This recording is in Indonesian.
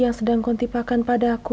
yang sedang kontipakan pada aku